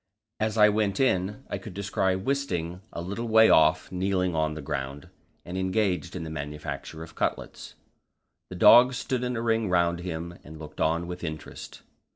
As I went in, I could descry Wisting a little way off kneeling on the ground, and engaged in the manufacture of cutlets. The dogs stood in a ring round him, and looked on with interest.